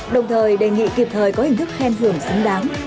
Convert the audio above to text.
đồng thời đề nghị kịp thời có hình thức khen thưởng xứng đáng